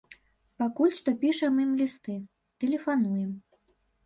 Пакуль што пішам ім лісты, тэлефануем.